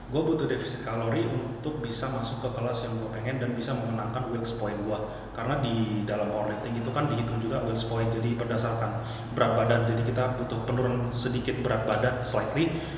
jadi kita ambil sepoi jadi berdasarkan berat badan jadi kita butuh penurun sedikit berat badan slightly